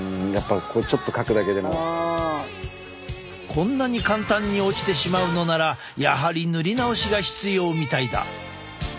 こんなに簡単に落ちてしまうのならやはり塗り直しが必要みたいだ。